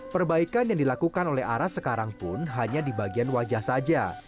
perbaikan yang dilakukan oleh ara sekarang pun hanya di bagian wajah saja